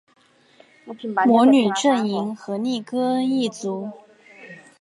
魔女阵营荷丽歌恩一族